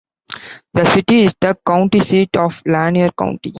The city is the county seat of Lanier County.